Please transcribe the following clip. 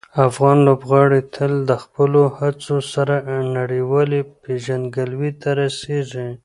افغان لوبغاړي تل د خپلو هڅو سره نړیوالې پېژندګلوۍ ته رسېږي.